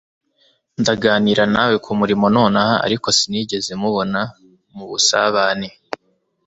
Ndaganira nawe kumurimo nonaha ariko sinigeze mubona mubusabane